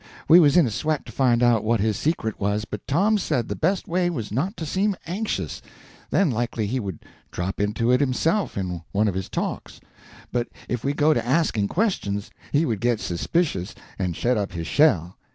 We was in a sweat to find out what his secret was, but Tom said the best way was not to seem anxious, then likely he would drop into it himself in one of his talks, but if we got to asking questions he would get suspicious and shet up his shell.